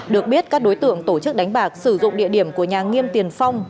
được biết các đối tượng tổ chức đánh bạc sử dụng địa điểm của nhà nghiêm tiền phong